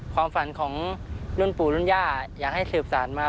ความฝันของรุ่นปู่รุ่นย่าอยากให้สืบสารมา